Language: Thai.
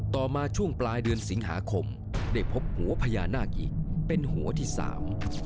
ต่อมาช่วงปลายเดือนสิงหาคมได้พบหัวพญานาคอีกเป็นหัวที่สาม